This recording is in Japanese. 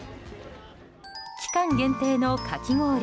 期間限定のかき氷。